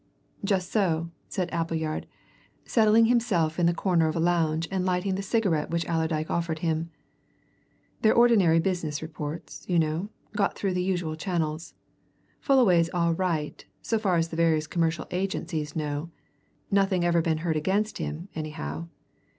"Just so," said Appleyard, settling himself in the corner of a lounge and lighting the cigarette which Allerdyke offered him. "They're ordinary business reports, you know, got through the usual channels. Fullaway's all right, so far as the various commercial agencies know nothing ever been heard against him, anyhow.